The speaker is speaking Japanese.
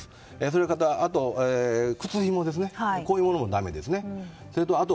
それから、靴ひもこういうものもだめですね。